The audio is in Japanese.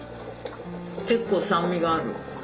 結構酸味がある。